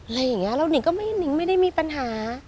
อะไรอย่างนี้หนิงก็ไม่ได้มีปัญหา